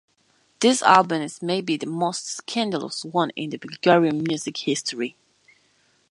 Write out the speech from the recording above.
This album is maybe the most scandalous one in the Bulgarian music history.